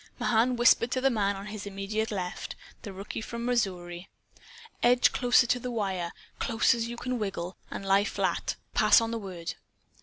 Mahan whispered to the man on his immediate left, the rookie from Missouri: "Edge closer to the wire close as you can wiggle, and lie flat. Pass on the word."